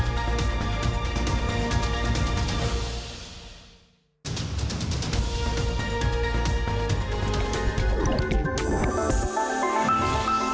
โปรดติดตามตอนต่อไป